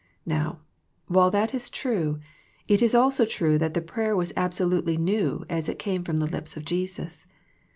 Now, while that is true, it is also true that the prayer was absolutely new as it came from the lips of Jesus.